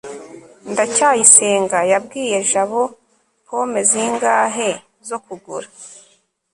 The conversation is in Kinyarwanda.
ndacyayisenga yabwiye jabo pome zingahe zo kugura